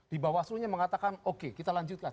di bawah asurnya mengatakan oke kita lanjutkan